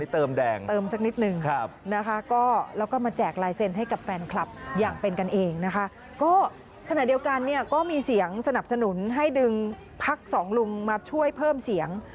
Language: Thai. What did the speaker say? เติมอันนี้เติมแดงเติมสักนิดหนึ่ง